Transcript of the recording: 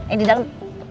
eh di dalam